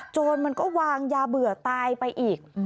โจรมันก็วางยาเบื่อตายไปอีก